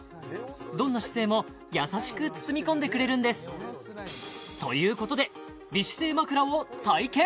どんな姿勢も優しく包み込んでくれるんですということで美姿勢まくらを体験！